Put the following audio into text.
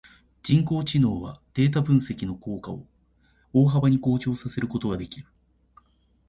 人工知能はデータ分析の効率を大幅に向上させることができる。